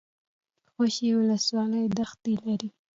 خوشي ولسوالۍ دښتې لري؟